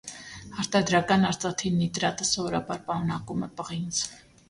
Արտադրական արծաթի նիտրատը սովորաբար պարունակում է պղինձ։